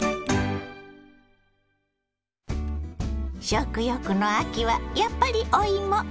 食欲の秋はやっぱりお芋！